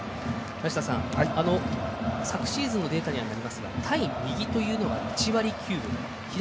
梨田さん、昨シーズンのデータになりますが対右というのは１割９分。